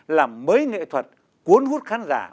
làm mới nghệ thuật cuốn hút khán giả